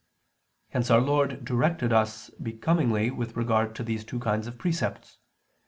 Hence Our Lord directed us becomingly with regard to these two kinds of precepts.